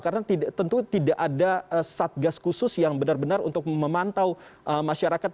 karena tentu tidak ada satgas khusus yang benar benar untuk memantau masyarakat